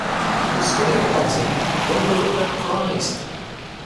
His study of Dalton won him the Whitbread Prize.